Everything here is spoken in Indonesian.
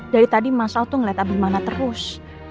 dari tadi mas al tuh ngeliat abimana terus